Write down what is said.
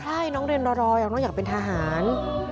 ใช่น้องเรียนรอน้องอยากเป็นทหาร